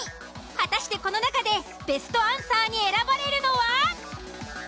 果たしてこの中でベストアンサーに選ばれるのは？